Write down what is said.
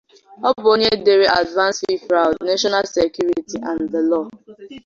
Ọ bụ onye dere "Advance Fee Fraud, National Security and the Law".